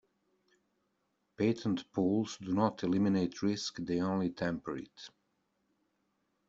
Patent pools do not eliminate risk, they only temper it.